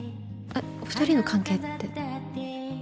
えっ２人の関係って。